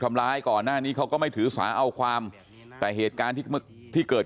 ทำร้ายก่อนหน้านี้เขาก็ไม่ถือสาเอาความแต่เหตุการณ์ที่เกิด